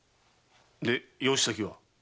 で養子先は？